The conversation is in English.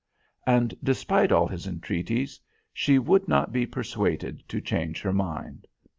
And, despite all his entreaties, she would not be persuaded to change her mind.